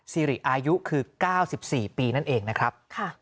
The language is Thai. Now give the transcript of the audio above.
สิริอายุคือ๙๔ปีนั่นเองนะครับ